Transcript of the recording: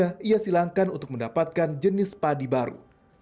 yang ia silangkan untuk mendapatkan jenis padi baru